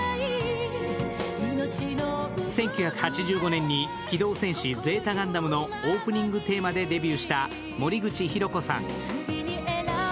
１９８５年に「機動戦士Ｚガンダム」のオープニングテーマでデビューした森口博子さん。